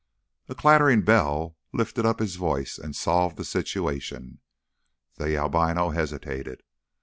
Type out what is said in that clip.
A clattering bell lifted up its voice and solved the situation. The albino hesitated.